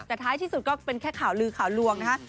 แต่ท้ายที่สุดก็เป็นแค่ข่าวลือข่าวลวงนะฮะ